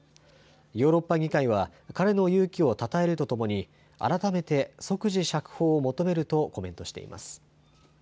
ヨーロッパ議会は彼の勇気をたたえるとともに改めて即時釈放を求めるとコメントしています。